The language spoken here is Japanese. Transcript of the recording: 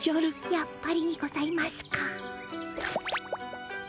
やっぱりにございますか？